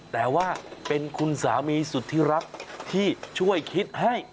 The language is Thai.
แต่ว่าเป็นคุณสามีสุดที่รักที่ช่วยคิดให้